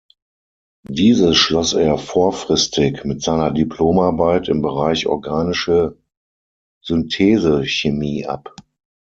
Dieses schloss er vorfristig mit seiner Diplomarbeit im Bereich organische Synthesechemie ab.